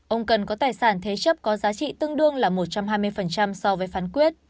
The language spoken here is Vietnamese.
ông cần có tài sản thế chấp có giá trị tương đương là một trăm hai mươi so với phán quyết